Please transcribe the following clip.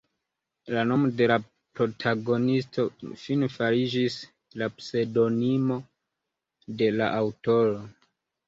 La nomo de la protagonisto fine fariĝis la pseŭdonimo de la aŭtoro.